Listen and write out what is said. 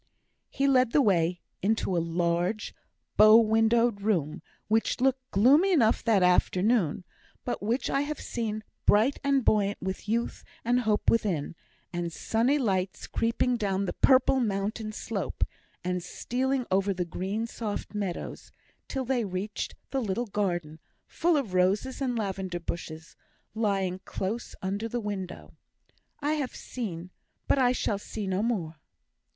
He led the way into a large, bow windowed room, which looked gloomy enough that afternoon, but which I have seen bright and buoyant with youth and hope within, and sunny lights creeping down the purple mountain slope, and stealing over the green, soft meadows, till they reached the little garden, full of roses and lavender bushes, lying close under the window. I have seen but I shall see no more.